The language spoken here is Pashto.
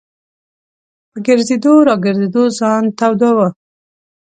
په ګرځېدو را ګرځېدو ځان توداوه.